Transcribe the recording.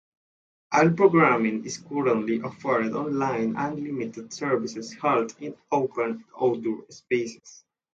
All programming is currently offered online and limited services held in open outdoor spaces.